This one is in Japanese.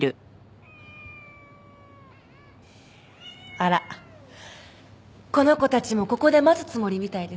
あらこの子たちもここで待つつもりみたいですね。